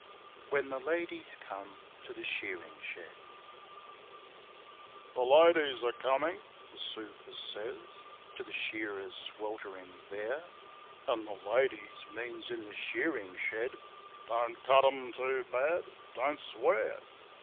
WHEN THE LADIES COME TO THE SHEARING SHED ' THE ladies are coming,' the super says To the shearers sweltering there, And ' the ladies ' means in the shearing shed :' Don't cut 'em too bad. Don't swear.'